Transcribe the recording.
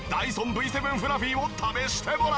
Ｖ７フラフィを試してもらう！